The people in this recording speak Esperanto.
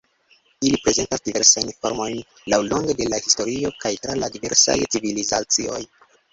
Ili prezentas diversajn formojn laŭlonge de la historio kaj tra la diversaj civilizacioj.